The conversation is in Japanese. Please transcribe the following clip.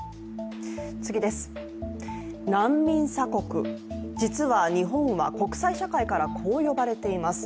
難民鎖国、実は日本は国際社会からこう呼ばれています。